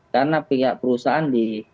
karena pihak perusahaan di